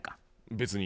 別に。